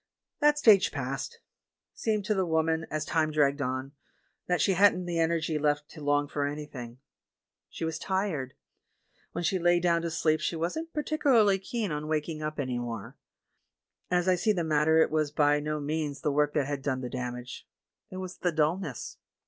"That stage passed. Seemed to the woman, as time dragged on, that she hadn't the energy left to long for anything. She was tired. When she lay down to sleep she wasn't particulai'ly keen on waking up any more. As I see the mat ter, it was by no means the work that had done the damage — it was the dullness.